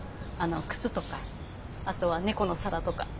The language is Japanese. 靴とかあとは猫の皿とか。